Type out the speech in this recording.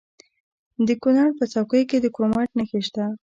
د کونړ په څوکۍ کې د کرومایټ نښې شته.